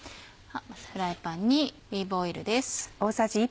フライパンにオリーブオイルです。